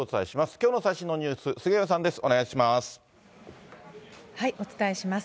きょうの最新のニュース、杉上さんです、お願いします。